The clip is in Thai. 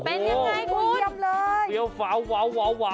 เป็นยังไงครูมีเบียบเฟ้ามากเลย